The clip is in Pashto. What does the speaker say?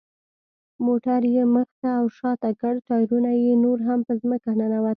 موټر یې مخ ته او شاته کړ، ټایرونه یې نور هم په ځمکه ننوتل.